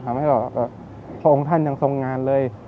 ทำให้เราพระองค์ท่านยังทรงงานเลย